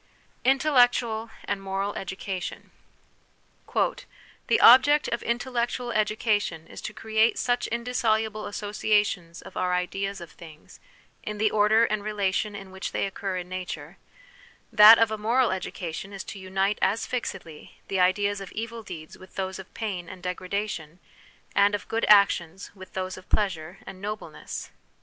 Intellectual and Moral Education. "The object of intellectual education is to create such indissoluble associations of our ideas of things, in the order and relation in which they occur in nature ; that of a moral education is to unite as fixedly, the ideas of evil deeds with those of pain and degradation, and of good actions with those of pleasure and nobleness."